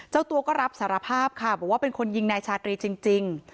เจ้าตัวก็รับสารภาพค่ะบอกว่าเป็นคนยิงนายชาตรีจริง